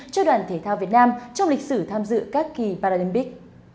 cho đoàn thể thao việt nam trong lịch sử tham dự các kỳ paralympic